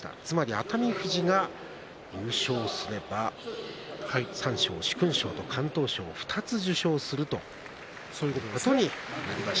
熱海富士は優勝した場合は三賞の殊勲賞と敢闘賞、２つ受賞するということになります。